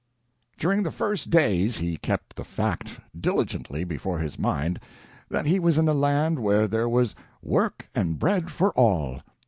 During the first few days he kept the fact diligently before his mind that he was in a land where there was "work and bread for all."